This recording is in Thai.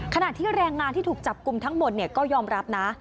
ขณะที่แรงงานที่ถูกจับกลุ่มทั้งหมดก็ยอมรับนะ